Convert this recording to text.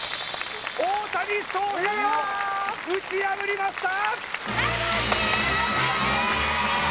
大谷翔平を打ち破りました！